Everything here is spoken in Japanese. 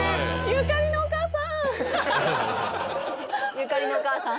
ゆかりのお母さん。